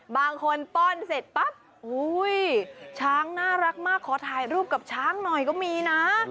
ป้อนเสร็จปั๊บช้างน่ารักมากขอถ่ายรูปกับช้างหน่อยก็มีนะ